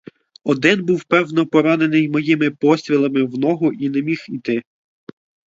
Один був, певно, поранений моїми пострілами в ногу й не міг іти.